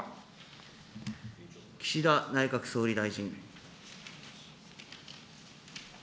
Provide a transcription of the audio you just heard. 岸田内閣総理大臣。